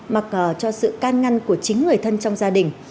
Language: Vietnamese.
mặc cho sự can ngăn của chính người thân trong gia đình